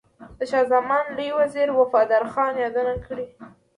د شاه زمان لوی وزیر وفادار خان یادونه کړې.